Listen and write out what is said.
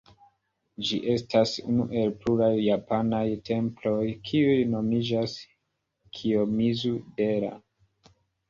Ĝi estas unu el pluraj japanaj temploj, kiuj nomiĝas Kijomizu-dera.